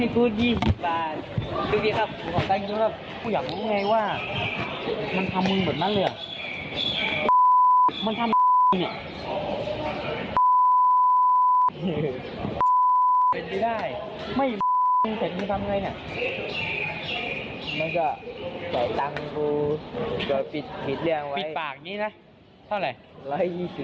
ที่เพิ่งสื่อกลมออกไปได้นะ